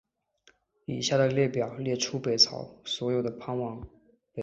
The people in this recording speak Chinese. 以下的列表列出北朝所有的藩王。